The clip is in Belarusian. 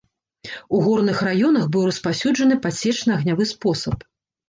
У горных раёнах быў распаўсюджаны падсечна-агнявы спосаб.